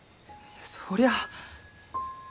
そりゃあ。